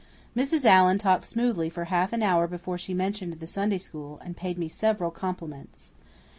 Mrs. Allan talked smoothly for half an hour before she mentioned the Sunday School, and paid me several compliments.